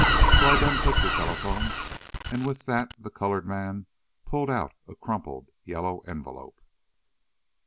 So I done took de telephone," and with that the colored man pulled out a crumpled yellow envelope.